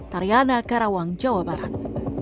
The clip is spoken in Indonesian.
tariana karawang jawa barat